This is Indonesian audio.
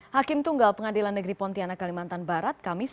hakim tunggal pengadilan negeri pontianak kalimantan barat kamis